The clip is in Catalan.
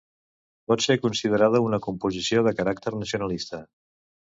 Pot ser considerada una composició de caràcter nacionalista.